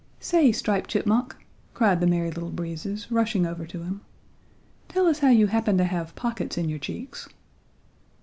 "Say, Striped Chipmunk," cried the Merry Little Breezes, rushing over to him, "tell us how you happen to have pockets in your cheeks."